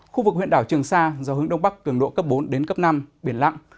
khu vực huyện đảo trường sa gió hướng đông bắc cường độ cấp bốn đến cấp năm biển lặng